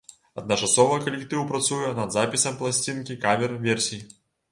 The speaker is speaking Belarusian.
Адначасова калектыў працуе над запісам пласцінкі кавер-версій.